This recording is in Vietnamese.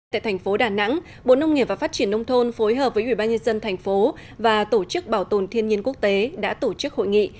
tại thành phố đà nẵng bộ nông nghiệp và phát triển nông thôn phối hợp với ubnd thành phố và tổ chức bảo tồn thiên nhiên quốc tế đã tổ chức hội nghị